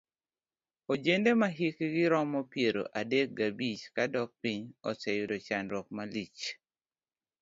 Ojende mahikgi romo piero adek gabich kadok piny oseyudo chandruok malich.